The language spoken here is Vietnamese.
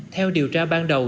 theo điều tra ban đầu